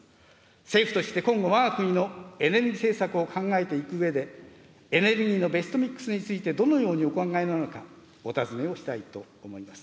政府として今後、わが国のエネルギー政策を考えていくうえで、エネルギーのベストミックスについてどのようにお考えなのか、お尋ねをしたいと思います。